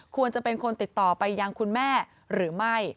ควรจะเป็นคนติดต่อไปยังคุณแม่หรือไม่